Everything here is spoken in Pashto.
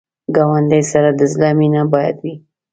ګاونډي سره د زړه مینه باید وي